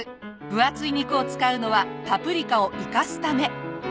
分厚い肉を使うのはパプリカを生かすため。